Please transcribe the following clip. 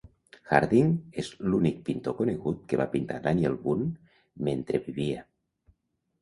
Harding és l"únic pintor conegut que va pintar Daniel Boone mentre vivia.